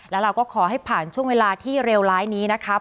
แล้วเราก็ขอให้ผ่านช่วงเวลาที่เลวร้ายนี้นะครับ